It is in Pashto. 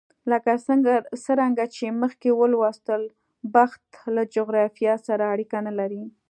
لکه څرنګه چې مخکې ولوستل، بخت له جغرافیې سره اړیکه نه لري.